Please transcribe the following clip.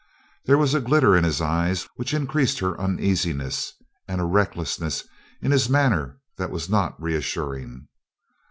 There was a glitter in his eyes which increased her uneasiness, and a recklessness in his manner that was not reassuring.